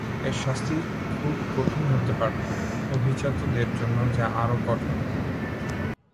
এর শাস্তি খুব কঠিন হতে পারত; অভিজাতদের জন্য যা আরও কঠোর।